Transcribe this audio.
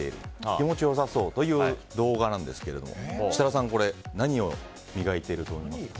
気持ちよさそうという動画なんですけども設楽さん、これ何を磨いていると思いますか？